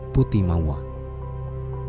pusat rehabilitasi harimau sumatera